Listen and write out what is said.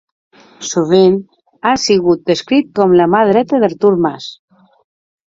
Sovint ha sigut descrit com la mà dreta d'Artur Mas.